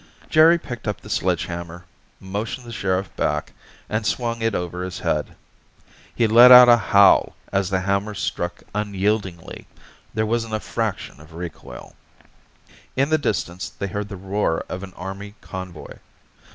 Jerry picked up the sledgehammer, motioned the sheriff back, and swung it over his head. He let out a howl as the hammer struck unyieldingly. There wasn't a fraction of recoil. In the distance they heard the roar of an Army convoy.